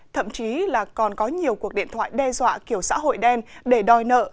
thậm chí là còn có nhiều cuộc điện thoại đe dọa kiểu xã hội đen để đòi nợ